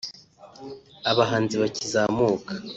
abahanzi bakizamuka